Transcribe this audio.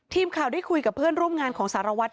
ทีมข่าวได้คุยกับเพื่อนร่วมงานของสารวัตร